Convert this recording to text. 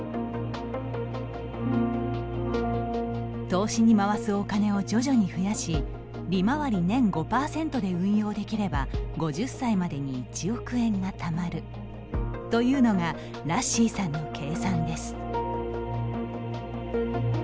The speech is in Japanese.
投資に回すお金を徐々に増やし利回り年５％で運用できれば５０歳までに１億円がたまるというのがらっしーさんの計算です。